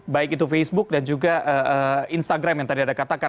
baik itu facebook dan juga instagram yang tadi ada katakan